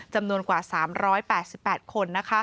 จำนวนกว่า๓๘๘คน